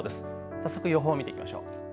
早速、予報を見ていきましょう。